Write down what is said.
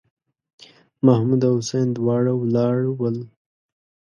محمـود او حسين دواړه ولاړ ول.